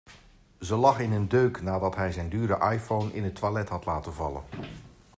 Ze lag in een deuk nadat hij zijn dure iPhone in het toilet had laten vallen.